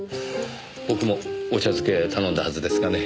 僕もお茶漬け頼んだはずですがね。